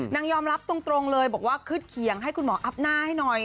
ยอมรับตรงเลยบอกว่าขึ้นเขียงให้คุณหมออัพหน้าให้หน่อย